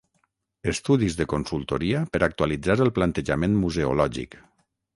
Estudis de consultoria per actualitzar el plantejament museològic.